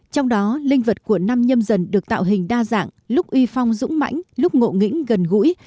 trong đó linh vật của năm nhâm dần được tạo hình đa dạng lúc uy phong dũng mãnh lúc ngộ nghĩnh gần gũi